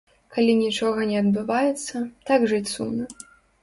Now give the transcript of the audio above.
Калі нічога не адбываецца, так жыць сумна.